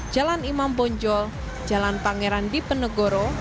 jalan imam bonjol jalan pangeran dipenegoro